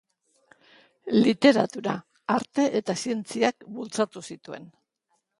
Literatura, arte eta zientziak bultzatu zituen.